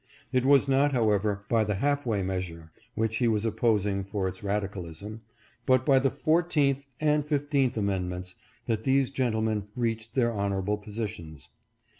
It was not, however, by the half way measure, which he was opposing for its radicalism, but by the fourteenth and fifteenth amendments, that these gen tlemen reached their honorable positions.